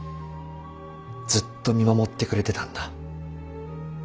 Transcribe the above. ずっと見守ってくれてたんだ。